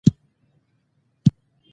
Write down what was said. دا عملیه په خپل کور کې تر سره کړئ.